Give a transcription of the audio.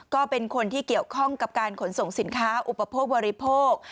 ก็เป็นคนที่เกี่ยวข้องกับการขนส่งสินค้าอุปโภคบริโภค